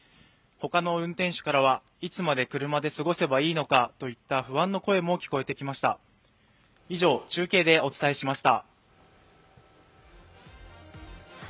ほかの運転手からはいつまで車で過ごせばいいのか不安の声も聞こえてきました。